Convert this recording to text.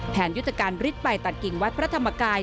แผนยุติการฤทธิ์ไปตัดกิ่งวัดพระธรรมกาย